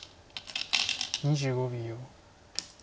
２５秒。